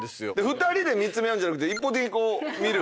２人で見つめ合うんじゃなくて一方的に見る。